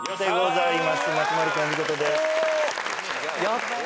やった！